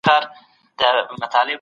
د ژوند حق د الله تعالی یو ابدي قانون دی.